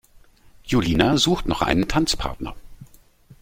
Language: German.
Julina sucht noch einen Tanzpartner.